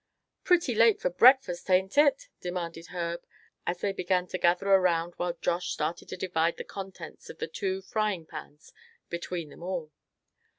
"Pretty late for breakfast, ain't it?" demanded Herb as they began to gather around while Josh started to divide the contents of the two fryingpans between them all.